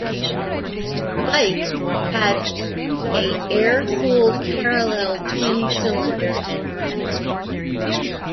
The bike had a air cooled parallel twin cylinder engine.